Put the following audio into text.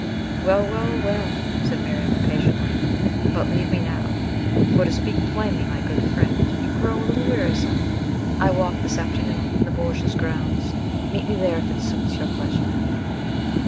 "Well, well, well," said Miriam impatiently; "but leave me now; for to speak plainly, my good friend, you grow a little wearisome. I walk this afternoon in the Borghese grounds. Meet me there, if it suits your pleasure."